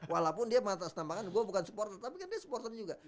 walaupun dia mengatasnamakan gue bukan supporter tapi kan dia supporter juga